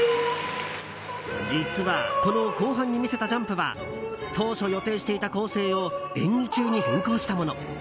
実はこの後半に見せたジャンプは当初予定していた構成を演技中に変更したもの。